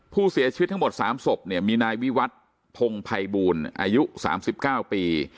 ผู้เสียชีวิตทั้งหมดสามศพเนี่ยมีนายวิวัตรพงภัยบูรณ์อายุสามสิบเก้าปี